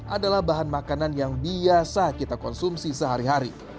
adalah bahan makanan yang biasa kita konsumsi sehari hari